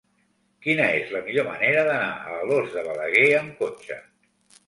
Quina és la millor manera d'anar a Alòs de Balaguer amb cotxe?